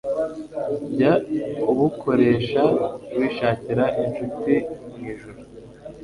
jya ubukoresha wishakira incuti' mu ijuru.